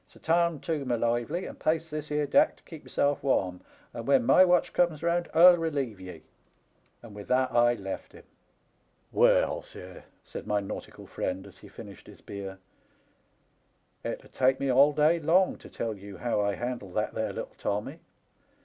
So tarn too, my lively, and pace this 'ere deck to keep yourself warm, and when my watch comes round 1*11 relieve ye.' And with that I left him. " Well, sir," said my nautical friend, as he finished his beer, " it 'ud take me all day long to tell you how I handled that there little Tommy.